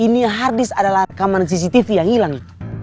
ini harddisk adalah rekaman cctv yang hilang